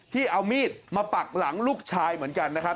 ที่เอามีดมาปักหลังลูกชายเหมือนกันนะครับ